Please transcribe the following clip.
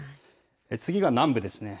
次が南部ですね。